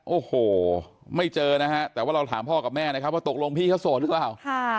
โอ้โหไม่เจอนะฮะแต่ว่าเราถามพ่อกับแม่นะครับว่าตกลงพี่เขาโสดหรือเปล่า